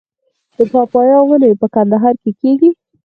د پاپایا ونې په ننګرهار کې کیږي؟